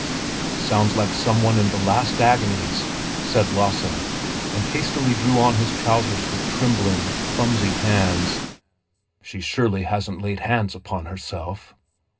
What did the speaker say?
"It sounds like some one in the last agonies!" said Lasse, and hastily drew on his trousers with trembling, clumsy hands. "She surely hasn't laid hands upon herself?"